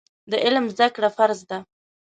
د علم زده کړه فرض ده.